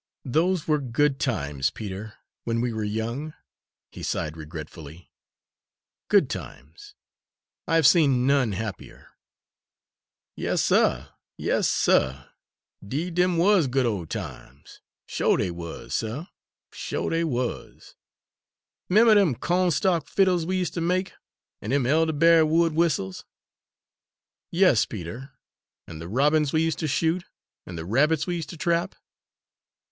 "Those were good times, Peter, when we were young," he sighed regretfully, "good times! I have seen none happier." "Yas, suh! yas, suh! 'Deed dem wuz good ole times! Sho' dey wuz, suh, sho' dey wuz! 'Member dem co'n stalk fiddles we use' ter make, an' dem elderberry wood whistles?" "Yes, Peter, and the robins we used to shoot and the rabbits we used to trap?"